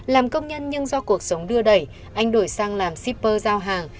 làm công nhân nhưng do cuộc sống đưa đẩy anh đổi sang làm shipper giao hàng